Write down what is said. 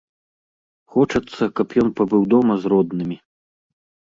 Хочацца, каб ён пабыў дома з роднымі.